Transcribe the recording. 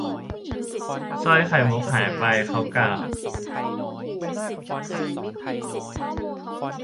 สร้อยไข่มุกหายไป เขากล่าว